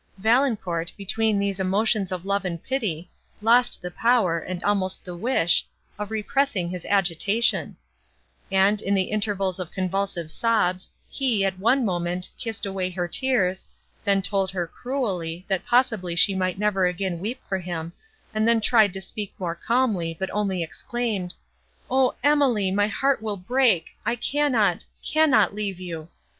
Valancourt, between these emotions of love and pity, lost the power, and almost the wish, of repressing his agitation; and, in the intervals of convulsive sobs, he, at one moment, kissed away her tears, then told her cruelly, that possibly she might never again weep for him, and then tried to speak more calmly, but only exclaimed, "O Emily—my heart will break!—I cannot—cannot leave you!